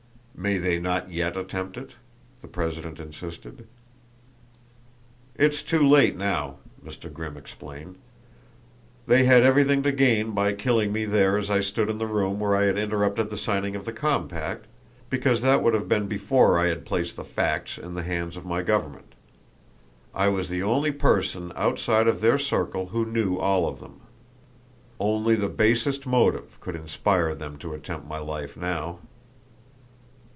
"May they not yet attempt it?" the president insisted. "It's too late now," Mr. Grimm explained. "They had everything to gain by killing me there as I stood in the room where I had interrupted the signing of the compact, because that would have been before I had placed the facts in the hands of my government. I was the only person outside of their circle who knew all of them. Only the basest motive could inspire them to attempt my life now."